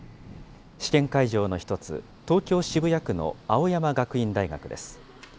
試験会場の一つ、東京・渋谷区の青山学院大学です。